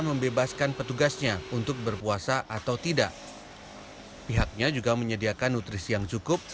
membebaskan petugasnya untuk berpuasa atau tidak pihaknya juga menyediakan nutrisi yang cukup